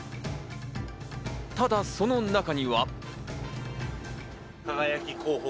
ただその中には。